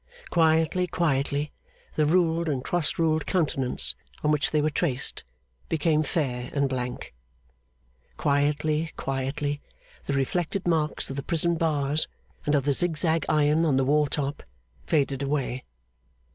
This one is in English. Quietly, quietly, the ruled and cross ruled countenance on which they were traced, became fair and blank. Quietly, quietly, the reflected marks of the prison bars and of the zig zag iron on the wall top, faded away.